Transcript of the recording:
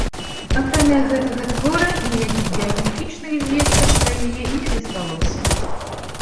Акрамя гэтага твора, ніякіх біяграфічных звестак пра яе не засталося.